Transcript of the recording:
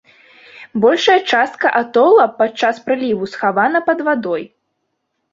Большая частка атола падчас прыліву схавана пад вадой.